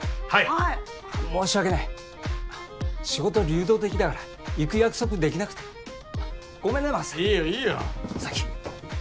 はいっ申し訳ない仕事流動的だから行く約束できなくてごめんねマスターいいよいいよ